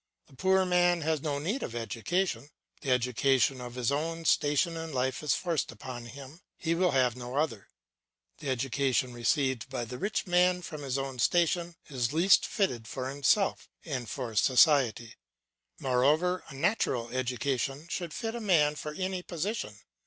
The poor man has no need of education. The education of his own station in life is forced upon him, he can have no other; the education received by the rich man from his own station is least fitted for himself and for society. Moreover, a natural education should fit a man for any position.